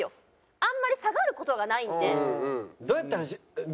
あんまり下がる事がないんで。